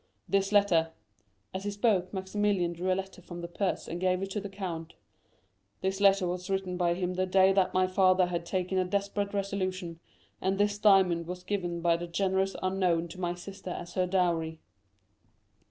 This letter" (as he spoke, Maximilian drew a letter from the purse and gave it to the count)—"this letter was written by him the day that my father had taken a desperate resolution, and this diamond was given by the generous unknown to my sister as her dowry."